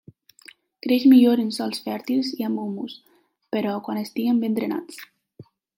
Creix millor en sòls fèrtils i amb humus, però que estiguin ben drenats.